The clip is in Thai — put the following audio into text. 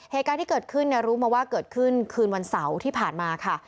เหตุการณ์ที่เกิดขึ้นเนี่ยรู้มาว่าเกิดขึ้นคืนวันเสาร์ที่ผ่านมาค่ะ